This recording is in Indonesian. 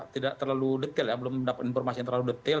tidak terlalu detail belum mendapatkan informasi yang terlalu detail